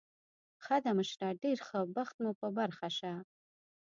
ښه ده، مشره، ډېر ښه بخت مو په برخه شه.